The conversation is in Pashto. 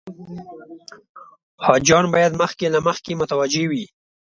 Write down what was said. حاجیان باید مخکې له مخکې متوجه وي.